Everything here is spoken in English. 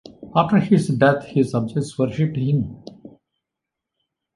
After his death, his subjects worshipped him.